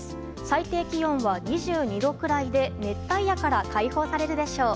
最低気温は２２度くらいで熱帯夜から解放されるでしょう。